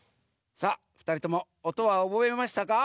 さあふたりともおとはおぼえましたか？